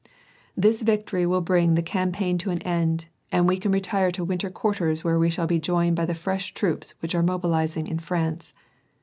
This victory will bring the eaoi paign to an end, and we can retire to winter quarters where we shall be i joined by the fresh troops which are mobilizing in France.